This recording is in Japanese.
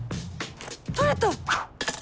取れた！